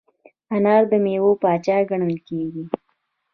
انار د میوو پاچا ګڼل کېږي.